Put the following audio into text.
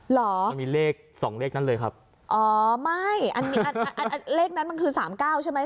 เหรอมันมีเลขสองเลขนั้นเลยครับอ๋อไม่อันอันเลขนั้นมันคือสามเก้าใช่ไหม